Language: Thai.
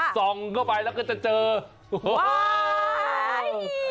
ส่องเข้าไปแล้วก็จะเจอว้าว